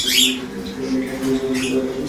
কেষ্ট কিছুই কইলনা।